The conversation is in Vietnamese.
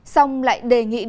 xong lại đề nghị điều tra